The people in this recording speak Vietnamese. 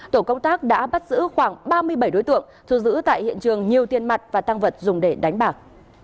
tổ công tác đã bắt giữ khoảng ba mươi bảy đối tượng thu giữ tại hiện trường nhiều tiền mặt và tăng vật dùng để đánh bạc